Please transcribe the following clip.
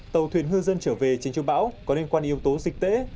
tàu thuyền ngư dân trở về trên trung bão có liên quan yếu tố dịch tễ